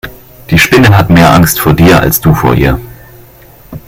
Die Spinne hat mehr Angst vor dir als du vor ihr.